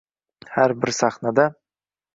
har bir sahnada